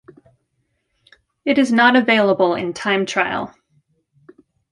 It is not available in Time Trial.